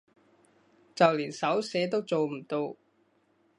就連手寫都做唔到